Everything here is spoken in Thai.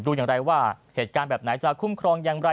อย่างไรว่าเหตุการณ์แบบไหนจะคุ้มครองอย่างไร